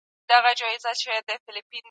منظم چکر بدن تازه کوي